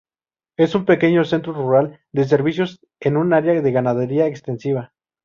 Es un pequeño centro rural de servicios en un área de ganadería extensiva.